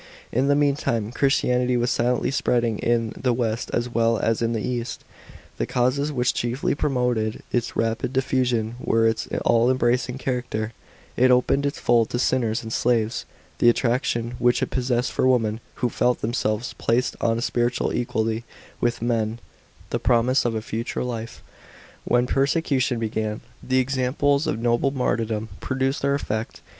§ 23. In the meantime, Christianity was silently spreading in the west as well as in the east. The causes which chiefly promoted its rapid diffusion were (I) its all embracing character : it opened its fold to sinners and slaves ; (2) the attraction which it possessed for women, who felt themselves placed on a spiritual equal ty with men ; (3) the promise of a future life ; (4) when persecution began, the examples of noble martyrdom produced their effect.